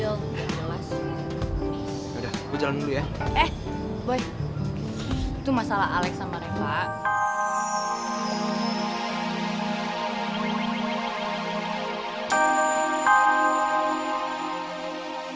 lo jelasin semuanya aja ke angel